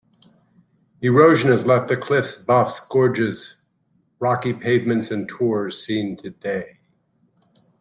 Erosion has left the cliffs, buffs, gorges rocky pavements and tors seen today.